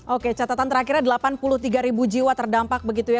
oke catatan terakhirnya delapan puluh tiga ribu jiwa terdampak begitu ya